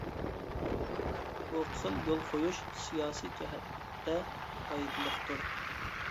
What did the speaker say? بۇ خىل يول قويۇش، سىياسىي جەھەتتە پايدىلىقتۇر.